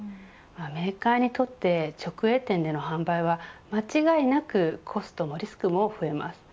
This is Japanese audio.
メーカーにとって直営店での販売は間違いなくコストもリスクも増えます。